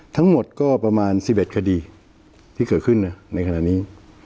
ทั้งหมดก็ประมาณ๑๑คดีที่เกิดขึ้นนะในขณะนี้